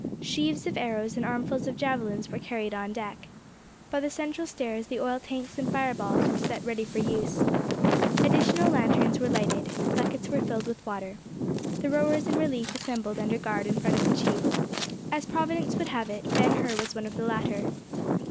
Sheaves of arrows and armfuls of javelins were carried on deck. By the central stairs the oil tanks and fire balls were set ready for use. Additional lanterns were lighted. Buckets were filled with water. The rowers in relief assembled under guard in front of the chief. As Providence would have it, Ben Hur was one of the latter.